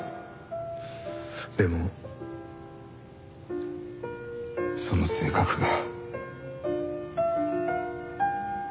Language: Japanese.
でもその性格が。